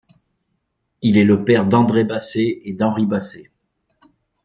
Il est le père d'André Basset et d'Henri Basset.